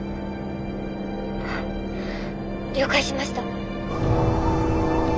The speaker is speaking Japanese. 了解しました。